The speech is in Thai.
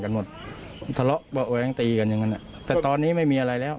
หมดทะเลาะเบาะแว้งตีกันอย่างนั้นแต่ตอนนี้ไม่มีอะไรแล้ว